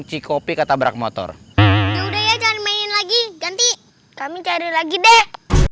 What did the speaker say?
cikopi kata brakmotor udah ya jangan main lagi ganti kami cari lagi deh